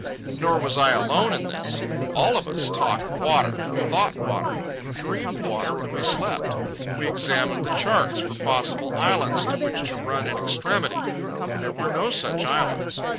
Nor was I alone in this. All of us talked water, thought water, and dreamed water when we slept. We examined the charts for possible islands to which to run in extremity, but there were no such islands.